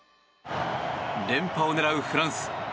連覇を狙うフランス。